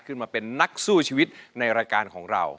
ขึ้นมาเป็นนักสู้ชีวิตในรายการของเรา